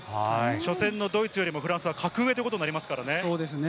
初戦のドイツよりも、フランスは格上ということになりますかそうですね。